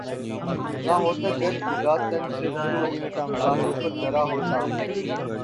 نہ ہوتا گر جدا تن سے تو زانو پر دھرا ہوتا